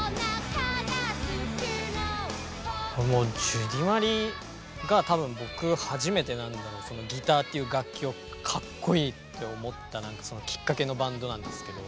ジュディマリが多分僕初めてギターっていう楽器をかっこいいって思ったきっかけのバンドなんですけど。